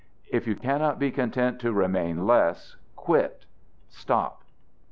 If you cannot be content to remain less, quit, stop!